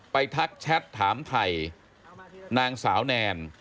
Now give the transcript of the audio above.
ทักแชทถามไทยนางสาวแนน